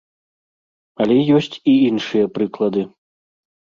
Але ёсць і іншыя прыклады.